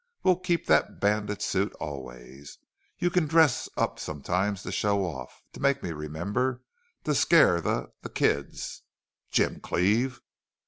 We'll keep that bandit suit always. You can dress up sometimes to show off to make me remember to scare the the kids " "Jim Cleve!"